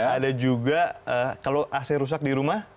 ada juga kalau ac rusak di rumah